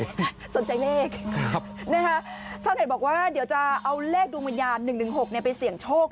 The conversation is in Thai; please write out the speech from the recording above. สนใจเลขชาวเน็ตบอกว่าเดี๋ยวจะเอาเลขดวงวิญญาณ๑๑๖ไปเสี่ยงโชค